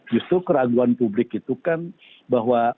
justru keraguan publik itu kan bahwa